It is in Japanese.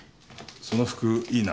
その服いいな。